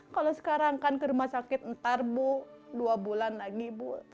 kalau sekarang kan ke rumah sakit ntar bu dua bulan lagi bu